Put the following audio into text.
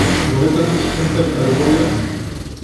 Tebɣiḍ ad tissineḍ akter n waya.